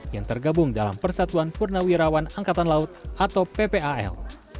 yang tergabung dalam persatuan purnawirawan angkatan laut atau ppal